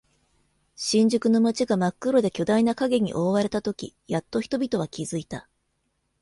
新宿の街が真っ黒で巨大な影に覆われたとき、やっと人々は気づいた。